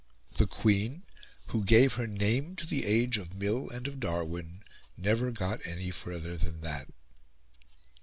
The Queen, who gave her name to the Age of Mill and of Darwin, never got any further than that.